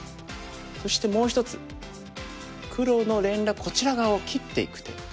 そしてもう１つ黒の連絡こちら側を切っていく手。